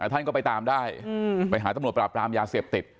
ท่านก็ไปตามได้ไปหาตำรวจปราบปรามยาเสพติด